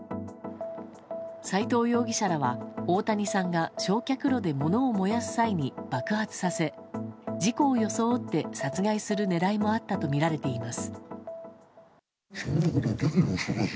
斎藤容疑者らは大谷さんが焼却炉でものを燃やす際に爆発させ事故を装って殺害する狙いもあったとみられています。